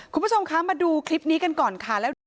คุณผู้ชมคะมาดูคลิปนี้กันก่อนค่ะ